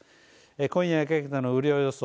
今夜にかけての雨量予想。